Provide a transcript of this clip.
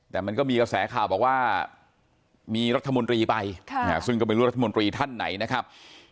แต่มันก็มีกระแสข่าวบอกว่ามีรัฐมนตรีไปซึ่งก็ไม่รู้ว่ารัฐมนตรีท่านไหนนะครับ